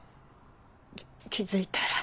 気付いたら。